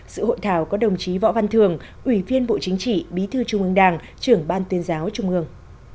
sự hội thảo có đồng chí võ văn thường ủy viên bộ chính trị bí thư trung ương đảng trưởng ban tuyên giáo trung ương